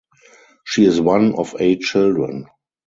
She is one of eight children.